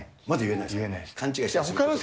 まだ言えないですか。